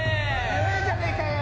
弱えじゃねえかよ。